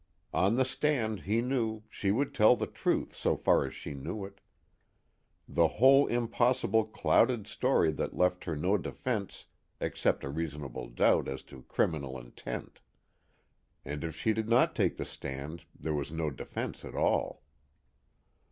On the stand, he knew, she would tell the truth so far as she knew it the whole impossible clouded story that left her no defense except a reasonable doubt as to criminal intent. And if she did not take the stand, there was no defense at all.